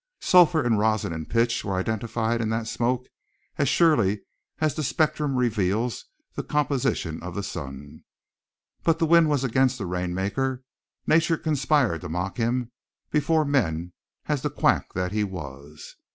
Sulphur and rosin and pitch were identified in that smoke as surely as the spectrum reveals the composition of the sun. But the wind was against the rainmaker; nature conspired to mock him before men as the quack that he was.